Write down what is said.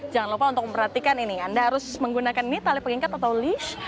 jangan lupa untuk memperhatikan ini anda harus menggunakan ini tali pengingkat atau list